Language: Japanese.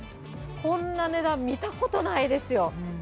こんな値段見たことないですよ。